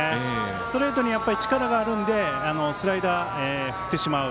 ストレートに力があるのでスライダー、振ってしまう。